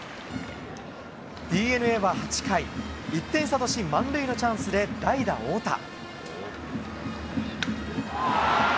ＤｅＮＡは８回、１点差とし、満塁のチャンスで代打、大田。